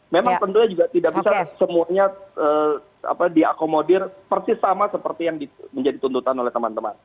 memang tentunya juga tidak bisa semuanya diakomodir persis sama seperti yang menjadi tuntutan oleh teman teman